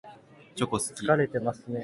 チョコ好き。